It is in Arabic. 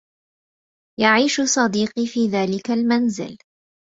يعيش صديقي في ذلك المنزل.